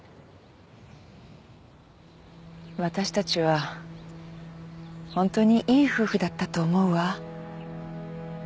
私たちはホントにいい夫婦だったと思うわ。